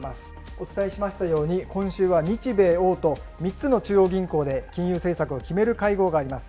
お伝えしましたように、今週は日米欧と、３つの中央銀行で金融政策を決める会合があります。